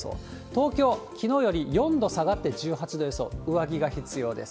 東京、きのうより４度下がって１８度予想、上着が必要です。